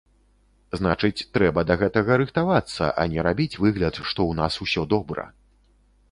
Значыць, трэба да гэтага рыхтавацца, а не рабіць выгляд, што ў нас усё добра.